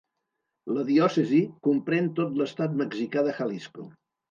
La diòcesi comprèn tot l'estat mexicà de Jalisco.